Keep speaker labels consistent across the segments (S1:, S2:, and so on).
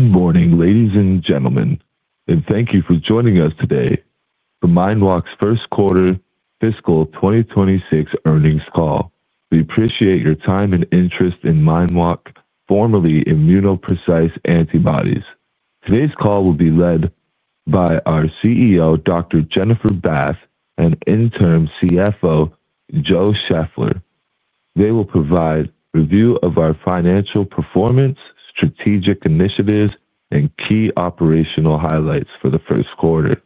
S1: Good morning, ladies and gentlemen, and thank you for joining us today for ImmunoPrecise Antibodies Ltd.'s first quarter fiscal 2026 earnings call. We appreciate your time and interest in ImmunoPrecise Antibodies Ltd., formerly ImmunoPrecise Antibodies. Today's call will be led by our CEO, Dr. Jennifer Bath, and Interim CFO, Joseph Scheffler. They will provide a review of our financial performance, strategic initiatives, and key operational highlights for the first quarter.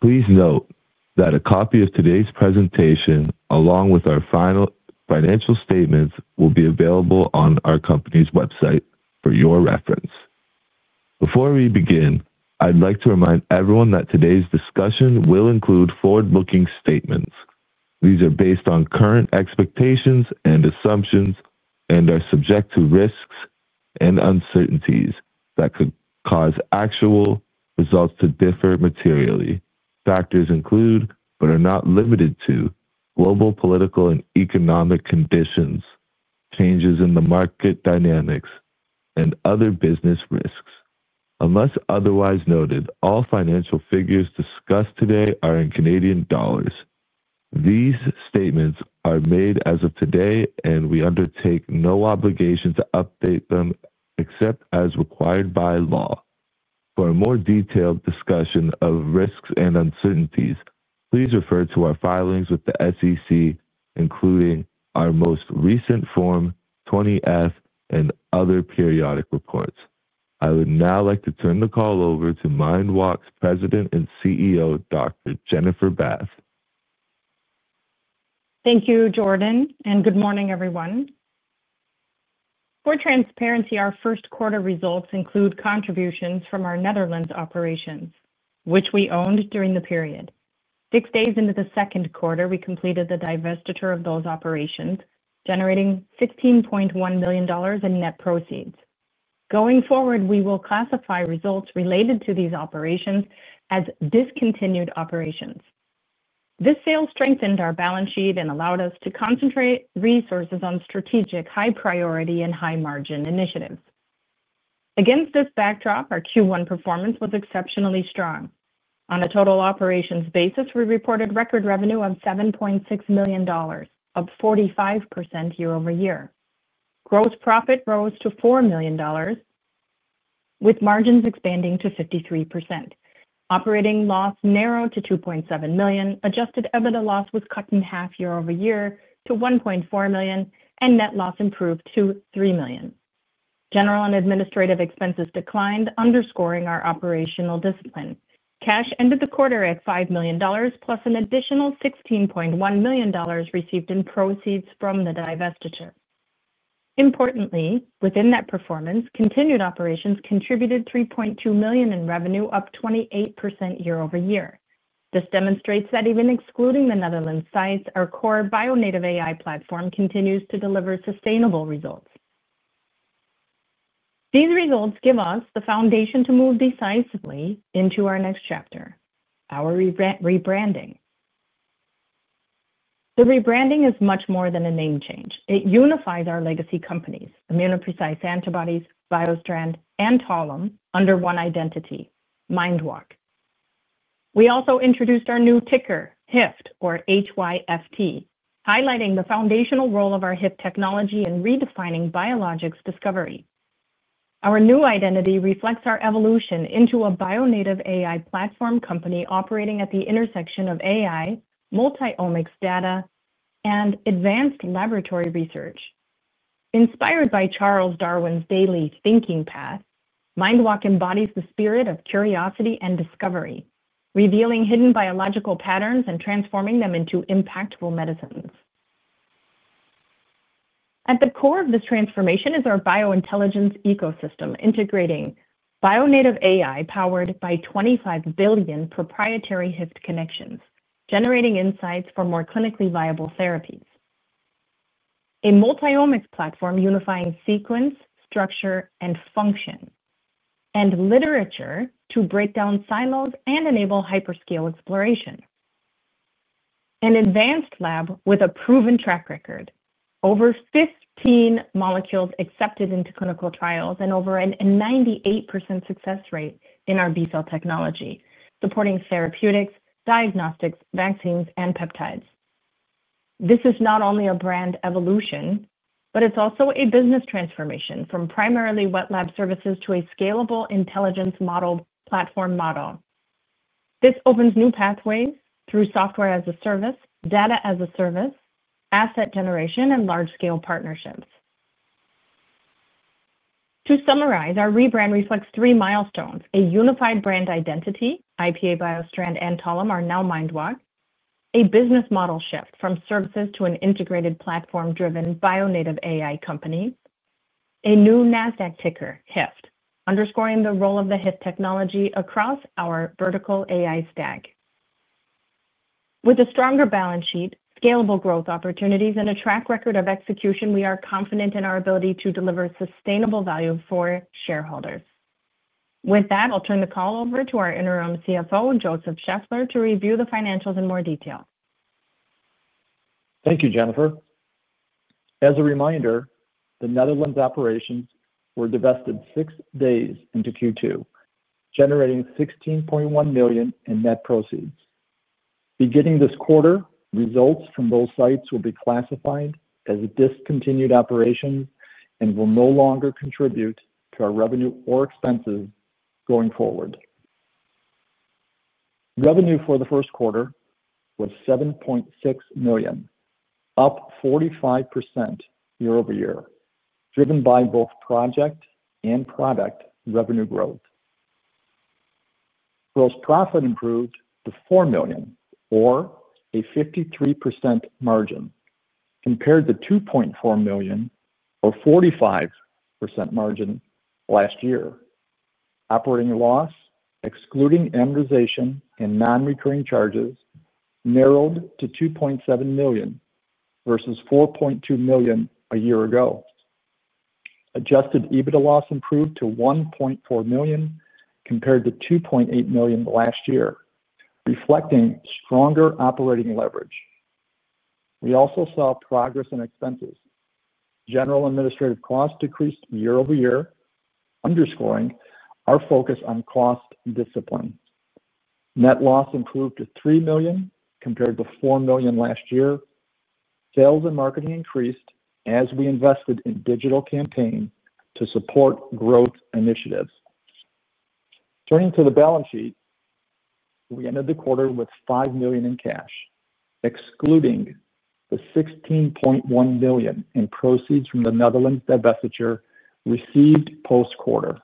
S1: Please note that a copy of today's presentation, along with our final financial statements, will be available on our company's website for your reference. Before we begin, I'd like to remind everyone that today's discussion will include forward-looking statements. These are based on current expectations and assumptions and are subject to risks and uncertainties that could cause actual results to differ materially. Factors include, but are not limited to, global political and economic conditions, changes in the market dynamics, and other business risks. Unless otherwise noted, all financial figures discussed today are in Canadian dollars. These statements are made as of today, and we undertake no obligation to update them except as required by law. For a more detailed discussion of risks and uncertainties, please refer to our filings with the SEC, including our most recent Form 20-F and other periodic reports. I would now like to turn the call over to ImmunoPrecise Antibodies Ltd.'s President and CEO, Dr. Jennifer Bath.
S2: Thank you, Jordan, and good morning, everyone. For transparency, our first quarter results include contributions from our Netherlands operations, which we owned during the period. Six days into the second quarter, we completed the divestiture of those operations, generating $16.1 million in net proceeds. Going forward, we will classify results related to these operations as discontinued operations. This sale strengthened our balance sheet and allowed us to concentrate resources on strategic, high-priority, and high-margin initiatives. Against this backdrop, our Q1 performance was exceptionally strong. On a total operations basis, we reported record revenue of $7.6 million, up 45% year over year. Gross profit rose to $4 million, with margins expanding to 53%. Operating loss narrowed to $2.7 million, adjusted EBITDA loss was cut in half year over year to $1.4 million, and net loss improved to $3 million. General and administrative expenses declined, underscoring our operational discipline. Cash ended the quarter at $5 million, plus an additional $16.1 million received in proceeds from the divestiture. Importantly, within that performance, continued operations contributed $3.2 million in revenue, up 28% year over year. This demonstrates that even excluding the Netherlands sites, our core bio-native AI platform continues to deliver sustainable results. These results give us the foundation to move decisively into our next chapter, our rebranding. The rebranding is much more than a name change. It unifies our legacy companies, ImmunoPrecise Antibodies Ltd., BioStrand, and Tollum, under one identity, MindWalk Inc. We also introduced our new ticker, HIFT, or H-Y-F-T, highlighting the foundational role of our HIFT technology in redefining biologics discovery. Our new identity reflects our evolution into a bio-native AI platform company operating at the intersection of AI, multi-omics data, and advanced laboratory research. Inspired by Charles Darwin's daily thinking path, MindWalk embodies the spirit of curiosity and discovery, revealing hidden biological patterns and transforming them into impactful medicines. At the core of this transformation is our biointelligence ecosystem, integrating bio-native AI powered by 25 billion proprietary HIFT connections, generating insights for more clinically viable therapies, a multi-omics platform unifying sequence, structure, and function, and literature to break down silos and enable hyperscale exploration. An advanced lab with a proven track record, over 15 molecules accepted into clinical trials, and over a 98% success rate in our B cell technology, supporting therapeutics, diagnostics, vaccines, and peptides. This is not only a brand evolution, but it's also a business transformation from primarily wet lab services to a scalable intelligence model platform model. This opens new pathways through SaaS, data as a service, asset generation, and large-scale partnerships. To summarize, our rebrand reflects three milestones: a unified brand identity, BioStrand and Tollum are now MindWalk; a business model shift from services to an integrated platform-driven bio-native AI company; a new Nasdaq ticker, HIFT, underscoring the role of the HIFT technology across our vertical AI stack. With a stronger balance sheet, scalable growth opportunities, and a track record of execution, we are confident in our ability to deliver sustainable value for shareholders. With that, I'll turn the call over to our Interim CFO, Joseph Scheffler, to review the financials in more detail.
S3: Thank you, Jennifer. As a reminder, the Netherlands operations were divested six days into Q2, generating $16.1 million in net proceeds. Beginning this quarter, results from those sites will be classified as discontinued operations and will no longer contribute to our revenue or expenses going forward. Revenue for the first quarter was $7.6 million, up 45% year over year, driven by both project and product revenue growth. Gross profit improved to $4 million, or a 53% margin, compared to $2.4 million, or a 45% margin last year. Operating loss, excluding amortization and non-recurring charges, narrowed to $2.7 million versus $4.2 million a year ago. Adjusted EBITDA loss improved to $1.4 million, compared to $2.8 million last year, reflecting stronger operating leverage. We also saw progress in expenses. General administrative costs decreased year over year, underscoring our focus on cost discipline. Net loss improved to $3 million, compared to $4 million last year. Sales and marketing increased as we invested in digital campaigns to support growth initiatives. Turning to the balance sheet, we ended the quarter with $5 million in cash, excluding the $16.1 million in proceeds from the Netherlands divestiture received post-quarter.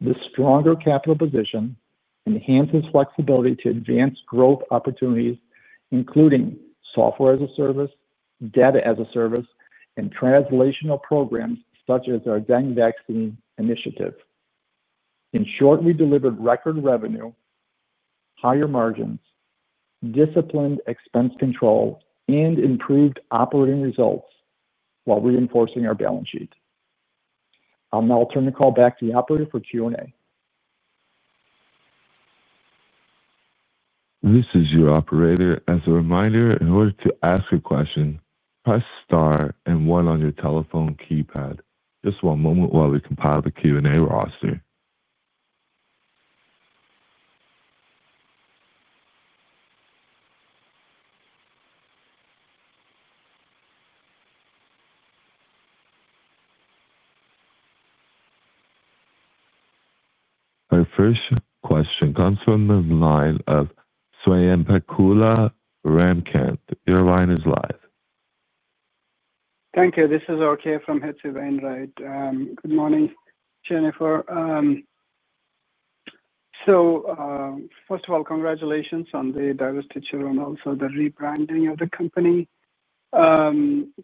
S3: This stronger capital position enhances flexibility to advance growth opportunities, including software as a service, data as a service, and translational programs such as our dengue vaccine initiative. In short, we delivered record revenue, higher margins, disciplined expense control, and improved operating results while reinforcing our balance sheet. I'll now turn the call back to the operator for Q&A.
S1: This is your operator. As a reminder, in order to ask a question, press star and one on your telephone keypad. Just one moment while we compile the Q&A roster. Our first question comes from the line of Swayampakula Ramakanth. Your line is live.
S4: Thank you. This is Swayampakula Ramakanth from H.C. Wainwright. Good morning, Jennifer. First of all, congratulations on the divestiture and also the rebranding of the company,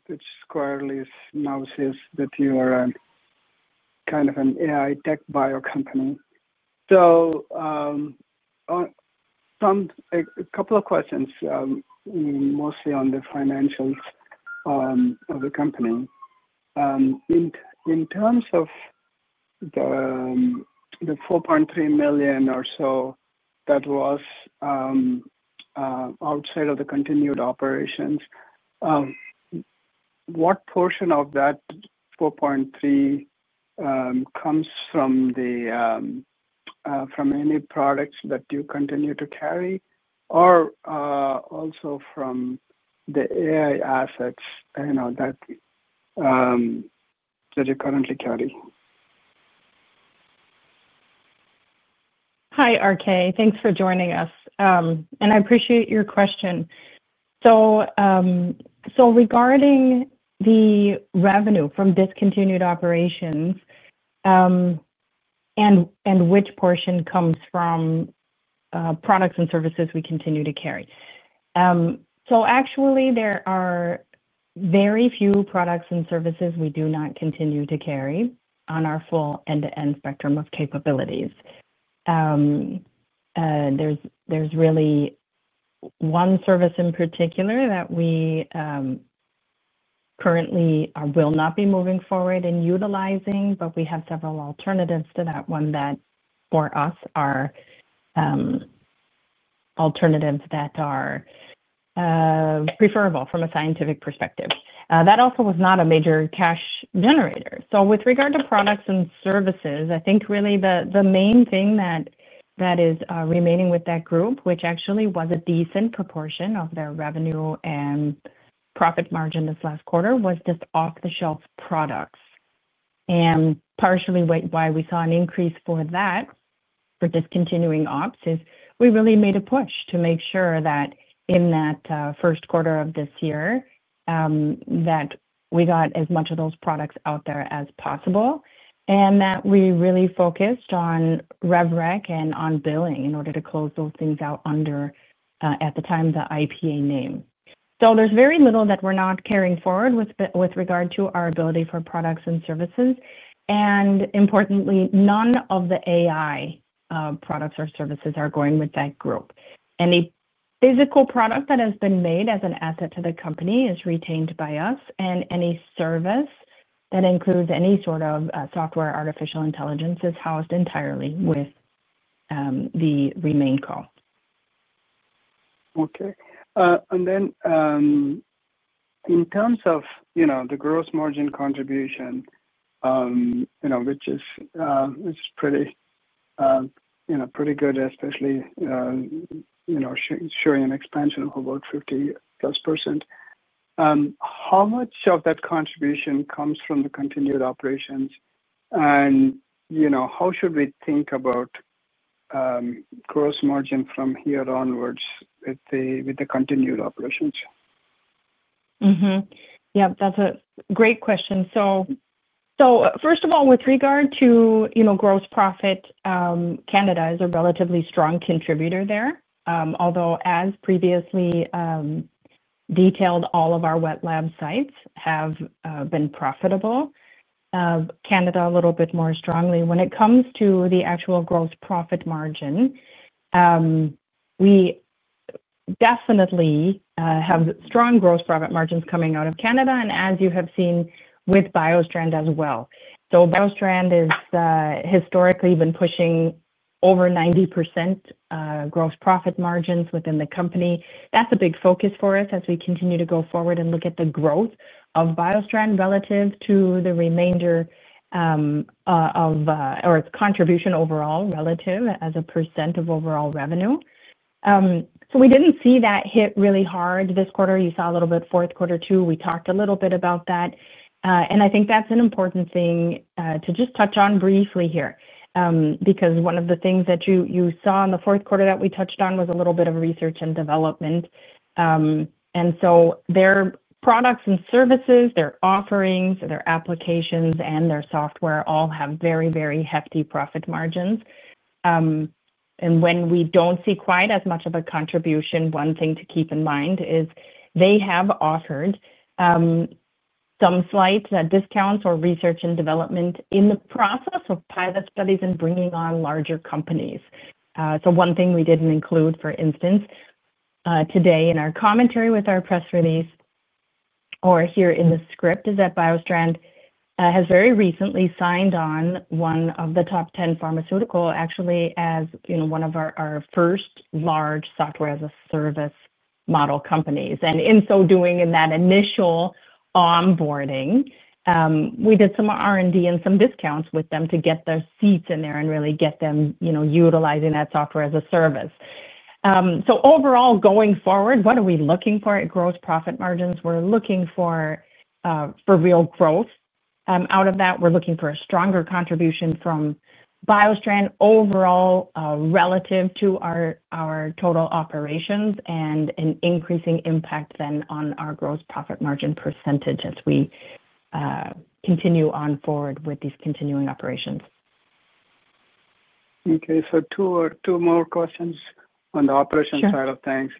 S4: which squarely now says that you are kind of an AI tech bio company. A couple of questions, mostly on the financials of the company. In terms of the $4.3 million or so that was outside of the continued operations, what portion of that $4.3 million comes from any products that you continue to carry or also from the AI assets that you currently carry?
S2: Hi, RK. Thanks for joining us. I appreciate your question. Regarding the revenue from discontinued operations and which portion comes from products and services we continue to carry, there are very few products and services we do not continue to carry on our full end-to-end spectrum of capabilities. There's really one service in particular that we currently will not be moving forward in utilizing, but we have several alternatives to that one that, for us, are alternatives that are preferable from a scientific perspective. That also was not a major cash generator. With regard to products and services, I think really the main thing that is remaining with that group, which actually was a decent proportion of their revenue and profit margin this last quarter, was just off-the-shelf products. Partially why we saw an increase for that, for discontinuing ops, is we really made a push to make sure that in that first quarter of this year, we got as much of those products out there as possible and that we really focused on RevRec and on billing in order to close those things out under at the time of the ImmunoPrecise Antibodies Ltd. name. There's very little that we're not carrying forward with regard to our ability for products and services. Importantly, none of the AI products or services are going with that group. Any physical product that has been made as an asset to the company is retained by us, and any service that includes any sort of software artificial intelligence is housed entirely with the remaining call.
S4: Okay. In terms of the gross margin contribution, which is pretty good, especially in our sharing and expansion of about 50+%, how much of that contribution comes from the continued operations? How should we think about gross margin from here onwards with the continued operations?
S2: Yeah, that's a great question. First of all, with regard to gross profit, Canada is a relatively strong contributor there. Although, as previously detailed, all of our wet lab sites have been profitable, Canada a little bit more strongly. When it comes to the actual gross profit margin, we definitely have strong gross profit margins coming out of Canada, and as you have seen with BioStrand as well. BioStrand has historically been pushing over 90% gross profit margins within the company. That's a big focus for us as we continue to go forward and look at the growth of BioStrand relative to the remainder of its contribution overall, relative as a percent of overall revenue. We didn't see that hit really hard this quarter. You saw a little bit fourth quarter too. We talked a little bit about that. I think that's an important thing to just touch on briefly here because one of the things that you saw in the fourth quarter that we touched on was a little bit of research and development. Their products and services, their offerings, their applications, and their software all have very, very hefty profit margins. When we don't see quite as much of a contribution, one thing to keep in mind is they have offered some flights at discounts or research and development in the process of pilot studies and bringing on larger companies. One thing we didn't include, for instance, today in our commentary with our press release or here in the script, is that BioStrand has very recently signed on one of the top 10 pharmaceuticals, actually as one of our first large software as a service model companies. In so doing, in that initial onboarding, we did some R&D and some discounts with them to get their seats in there and really get them utilizing that software as a service. Overall, going forward, what are we looking for at gross profit margins? We're looking for real growth. Out of that, we're looking for a stronger contribution from BioStrand overall relative to our total operations and an increasing impact then on our gross profit margin percentage as we continue on forward with these continuing operations.
S4: Okay. Two more questions on the operations side of things.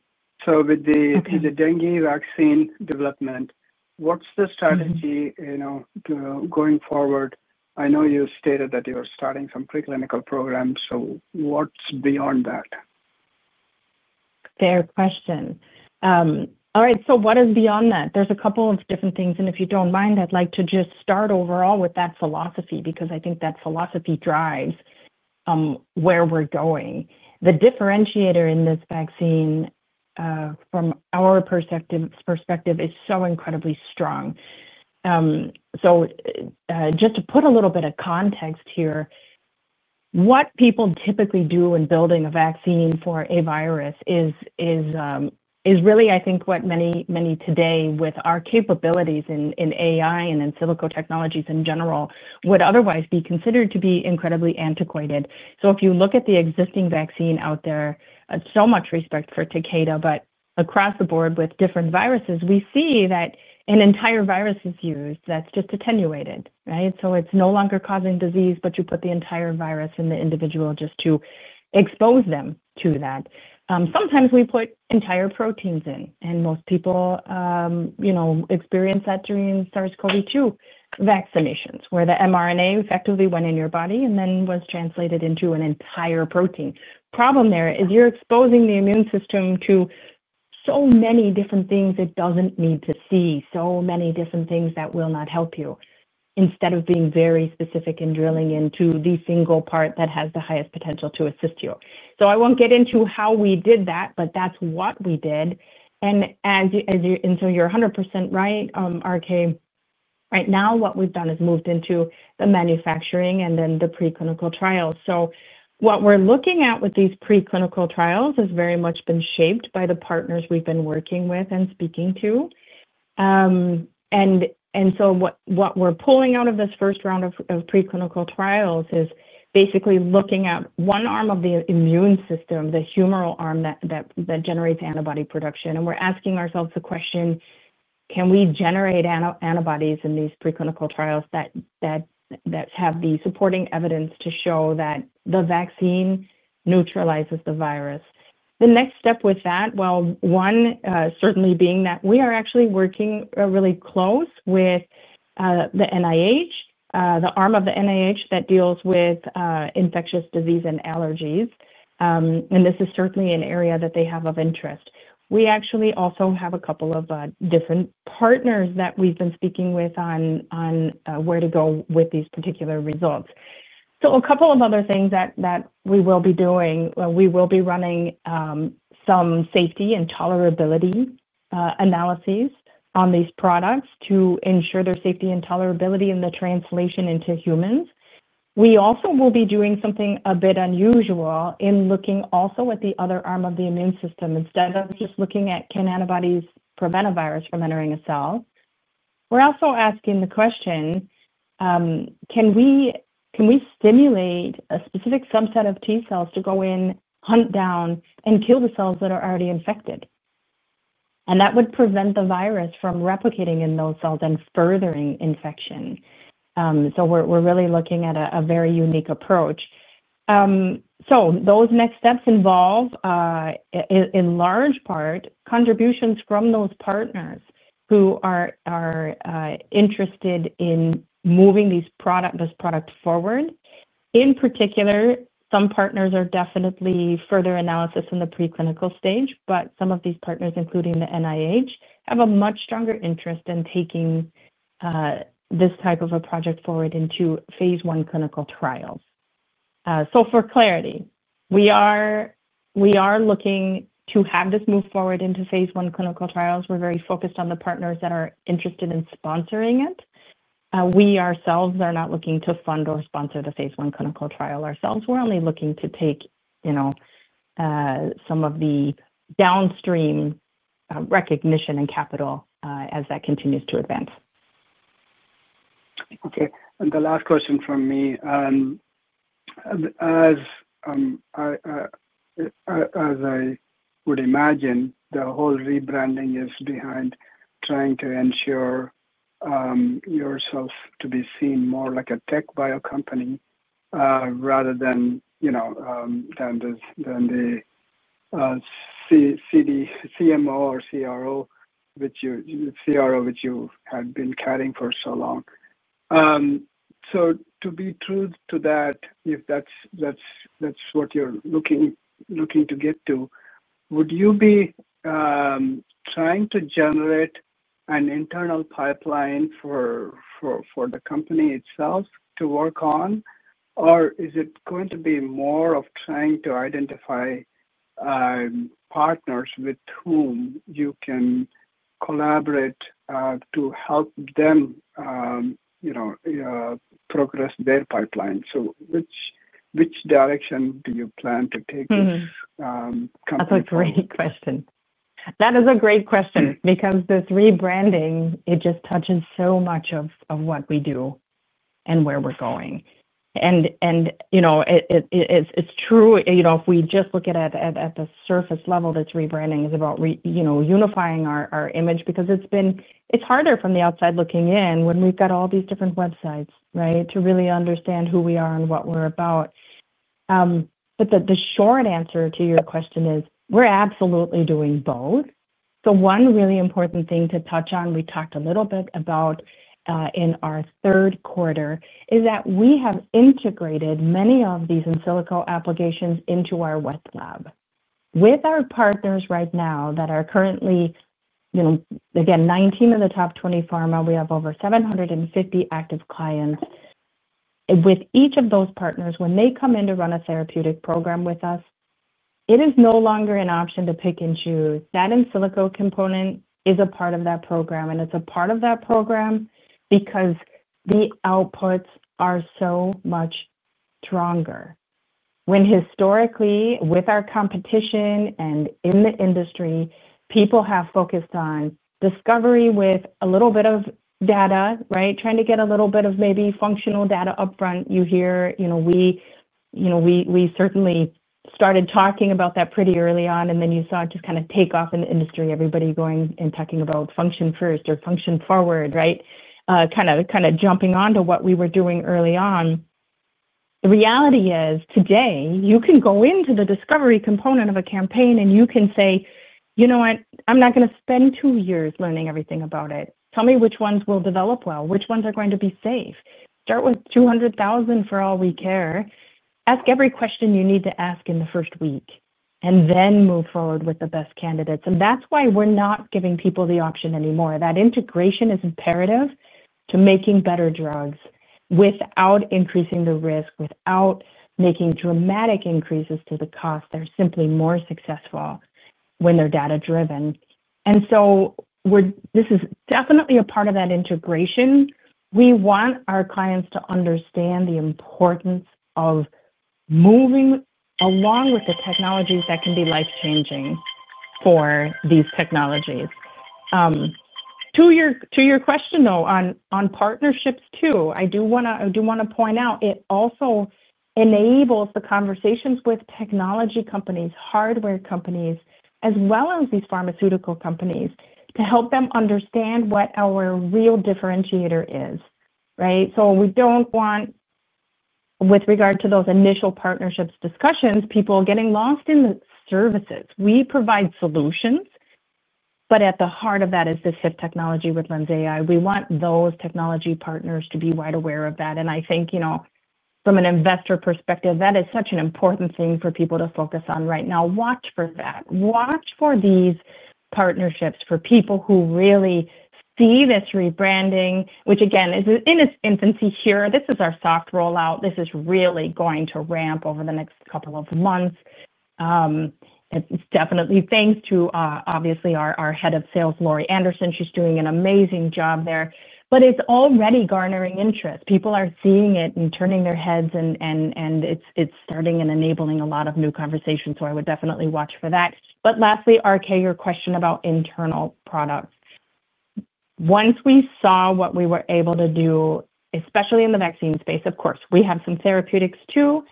S4: With the dengue vaccine development, what's the strategy going forward? I know you stated that you're starting some preclinical programs. What's beyond that?
S2: Fair question. All right. What is beyond that? There's a couple of different things. If you don't mind, I'd like to just start overall with that philosophy because I think that philosophy drives where we're going. The differentiator in this vaccine, from our perspective, is so incredibly strong. Just to put a little bit of context here, what people typically do in building a vaccine for a virus is really, I think, what many today, with our capabilities in AI and in silico technologies in general, would otherwise be considered to be incredibly antiquated. If you look at the existing vaccine out there, so much respect for Takeda, but across the board with different viruses, we see that an entire virus is used that's just attenuated. It's no longer causing disease, but you put the entire virus in the individual just to expose them to that. Sometimes we put entire proteins in, and most people experience that during SARS-CoV-2 vaccinations, where the mRNA effectively went in your body and then was translated into an entire protein. The problem there is you're exposing the immune system to so many different things it doesn't need to see, so many different things that will not help you, instead of being very specific and drilling into the single part that has the highest potential to assist you. I won't get into how we did that, but that's what we did. You're 100% right, RK. Right now, what we've done is moved into the manufacturing and then the preclinical trials. What we're looking at with these preclinical trials has very much been shaped by the partners we've been working with and speaking to. What we're pulling out of this first round of preclinical trials is basically looking at one arm of the immune system, the humoral arm that generates antibody production. We're asking ourselves the question, can we generate antibodies in these preclinical trials that have the supporting evidence to show that the vaccine neutralizes the virus? The next step with that, one certainly being that we are actually working really close with the NIH, the arm of the NIH that deals with infectious disease and allergies. This is certainly an area that they have of interest. We actually also have a couple of different partners that we've been speaking with on where to go with these particular results. A couple of other things that we will be doing, we will be running some safety and tolerability analyses on these products to ensure their safety and tolerability in the translation into humans. We also will be doing something a bit unusual in looking also at the other arm of the immune system. Instead of just looking at, can antibodies prevent a virus from entering a cell? We're also asking the question, can we stimulate a specific subset of T cells to go in, hunt down, and kill the cells that are already infected? That would prevent the virus from replicating in those cells and furthering infection. We're really looking at a very unique approach. Those next steps involve in large part contributions from those partners who are interested in moving these products, those products forward. In particular, some partners are definitely further analysis in the preclinical stage, but some of these partners, including the NIH, have a much stronger interest in taking this type of a project forward into phase one clinical trials. For clarity, we are looking to have this move forward into phase one clinical trials. We're very focused on the partners that are interested in sponsoring it. We ourselves are not looking to fund or sponsor the phase one clinical trial ourselves. We're only looking to take some of the downstream recognition and capital as that continues to advance.
S4: Okay. The last question from me, as I would imagine, the whole rebranding is behind trying to ensure yourself to be seen more like a tech bio company, rather than the CMO or CRO, which you had been carrying for so long. To be true to that, if that's what you're looking to get to, would you be trying to generate an internal pipeline for the company itself to work on, or is it going to be more of trying to identify partners with whom you can collaborate to help them progress their pipeline? Which direction do you plan to take?
S2: That's a great question. That is a great question because this rebranding just touches so much of what we do and where we're going. It's true, if we just look at it at the surface level, this rebranding is about unifying our image because it's been harder from the outside looking in when we've got all these different websites to really understand who we are and what we're about. The short answer to your question is we're absolutely doing both. One really important thing to touch on, we talked a little bit about in our third quarter, is that we have integrated many of these in silico applications into our wet lab. With our partners right now that are currently, 19 of the top 20 pharma, we have over 750 active clients. With each of those partners, when they come in to run a therapeutic program with us, it is no longer an option to pick and choose. That in silico component is a part of that program, and it's a part of that program because the outputs are so much stronger. When historically, with our competition and in the industry, people have focused on discovery with a little bit of data, trying to get a little bit of maybe functional data upfront. You hear, we certainly started talking about that pretty early on, and then you saw it just kind of take off in the industry, everybody going and talking about function first or function forward, kind of jumping onto what we were doing early on. The reality is today, you can go into the discovery component of a campaign and you can say, you know what, I'm not going to spend two years learning everything about it. Tell me which ones will develop well, which ones are going to be safe. Start with 200,000 for all we care. Ask every question you need to ask in the first week, and then move forward with the best candidates. That's why we're not giving people the option anymore. That integration is imperative to making better drugs without increasing the risk, without making dramatic increases to the cost. They're simply more successful when they're data-driven. This is definitely a part of that integration. We want our clients to understand the importance of moving along with the technologies that can be life-changing for these technologies. To your question, though, on partnerships too, I do want to point out it also enables the conversations with technology companies, hardware companies, as well as these pharmaceutical companies to help them understand what our real differentiator is, right? We don't want, with regard to those initial partnership discussions, people getting lost in the services. We provide solutions, but at the heart of that is the HIFT technology with LENSai. We want those technology partners to be wide aware of that. I think, you know, from an investor perspective, that is such an important thing for people to focus on right now. Watch for that. Watch for these partnerships for people who really see this rebranding, which again is in its infancy here. This is our soft rollout. This is really going to ramp over the next couple of months. It is definitely thanks to, obviously, our Head of Sales, Laurie Anderson. She's doing an amazing job there. It is already garnering interest. People are seeing it and turning their heads, and it's starting and enabling a lot of new conversations. I would definitely watch for that. Lastly, RK, your question about internal products. Once we saw what we were able to do, especially in the vaccine space, of course, we have some therapeutics too.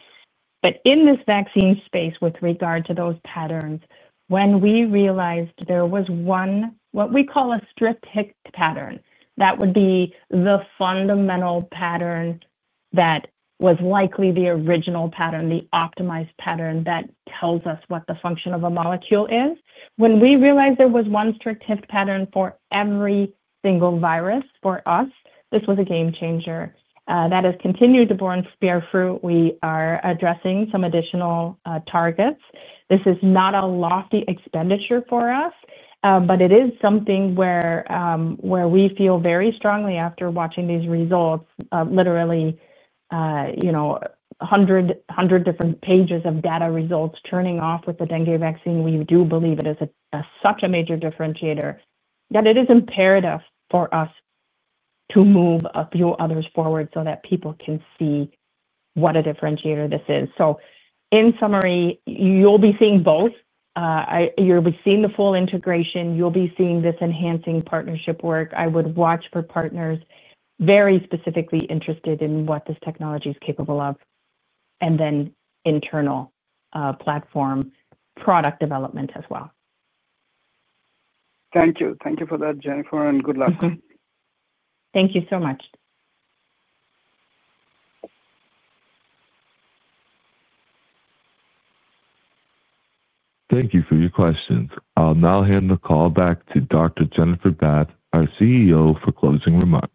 S2: In this vaccine space, with regard to those patterns, when we realized there was one, what we call a strict HIFT pattern, that would be the fundamental pattern that was likely the original pattern, the optimized pattern that tells us what the function of a molecule is. When we realized there was one strict HIFT pattern for every single virus, for us, this was a game changer. That has continued to bear fair fruit. We are addressing some additional targets. This is not a lofty expenditure for us, but it is something where we feel very strongly after watching these results, literally, you know, 100 different pages of data results turning off with the dengue vaccine. We do believe it is such a major differentiator that it is imperative for us to move a few others forward so that people can see what a differentiator this is. In summary, you'll be seeing both. You'll be seeing the full integration. You'll be seeing this enhancing partnership work. I would watch for partners very specifically interested in what this technology is capable of, and then internal platform product development as well.
S4: Thank you. Thank you for that, Jennifer, and good luck.
S2: Thank you so much.
S1: Thank you for your questions. I'll now hand the call back to Dr. Jennifer Bath, our CEO, for closing remarks.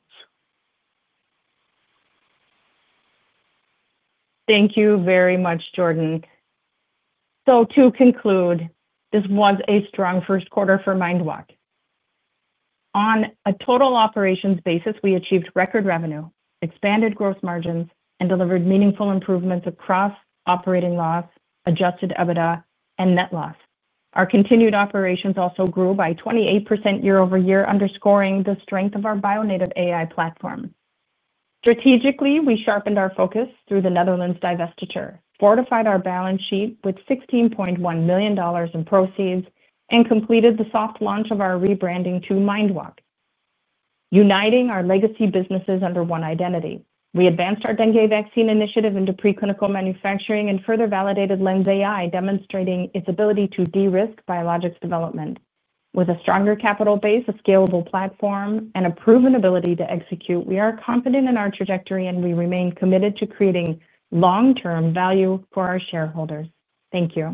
S2: Thank you very much, Jordan. To conclude, this was a strong first quarter for MindWalk Inc. On a total operations basis, we achieved record revenue, expanded gross margins, and delivered meaningful improvements across operating loss, adjusted EBITDA, and net loss. Our continued operations also grew by 28% year over year, underscoring the strength of our bio-native AI platform. Strategically, we sharpened our focus through the Netherlands divestiture, fortified our balance sheet with $16.1 million in proceeds, and completed the soft launch of our rebranding to MindWalk Inc., uniting our legacy businesses under one identity. We advanced our dengue vaccine initiative into preclinical manufacturing and further validated LENSai, demonstrating its ability to de-risk biologics discovery. With a stronger capital base, a scalable platform, and a proven ability to execute, we are confident in our trajectory, and we remain committed to creating long-term value for our shareholders. Thank you.